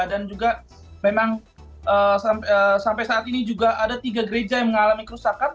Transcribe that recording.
dan juga memang sampai saat ini juga ada tiga gereja yang mengalami kerusakan